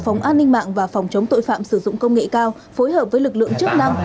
phòng an ninh mạng và phòng chống tội phạm sử dụng công nghệ cao phối hợp với lực lượng chức năng